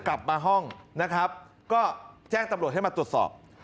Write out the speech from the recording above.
กลับมาห้องนะครับก็แจ้งตำรวจให้มาตรวจสอบ